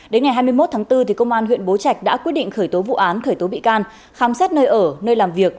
đến ngày hai mươi một tháng bốn công an huyện bố trạch đã quyết định khởi tố vụ án khởi tố bị can khám xét nơi ở nơi làm việc